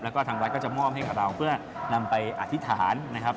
แล้วก็ทางวัดก็จะมอบให้กับเราเพื่อนำไปอธิษฐานนะครับ